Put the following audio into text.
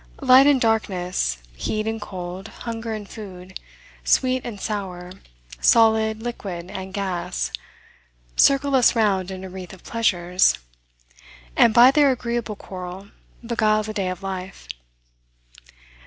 Light and darkness, heat and cold, hunger and food, sweet and sour, solid, liquid, and gas, circle us round in a wreath of pleasures, and, by their agreeable quarrel, beguile the day of life.